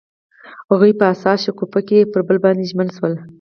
هغوی په حساس شګوفه کې پر بل باندې ژمن شول.